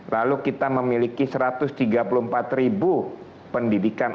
lalu kita memiliki satu ratus tiga puluh empat ribu pendidikan